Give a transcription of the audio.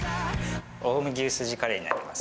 近江牛すじカレーになります。